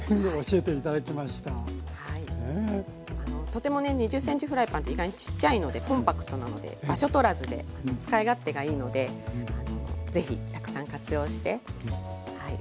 とてもね２０ｃｍフライパンって意外にちっちゃいのでコンパクトなので場所取らずで使い勝手がいいので是非たくさん活用してはい。